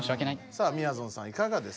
さあみやぞんさんいかがですか？